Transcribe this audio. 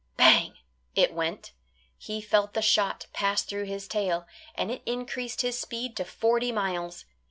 Bang, it went; he felt the shot pass through his tail, and it increased his speed to forty miles.